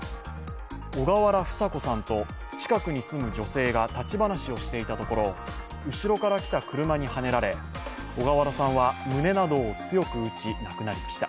小河原房子さんと近くに住む女性が立ち話をしていたところ、後ろから来た車にはねられ、小河原さんは胸などを強く打ち死亡しました。